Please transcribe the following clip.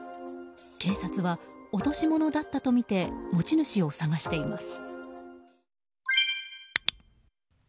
警察は落とし物だったとみて持ち主を探しています。